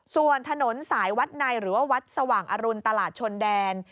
ส่วนถนนสายวัดในหรือว่าวัดสว่างอรุณตลาดชนแดน